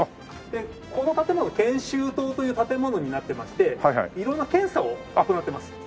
でこの建物は検修棟という建物になってまして色んな検査を行ってます。